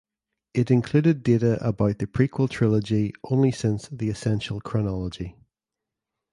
It included data about the prequel trilogy only since "The Essential Chronology".